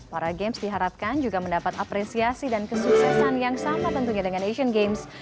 para games diharapkan juga mendapat apresiasi dan kesuksesan yang sama tentunya dengan asian games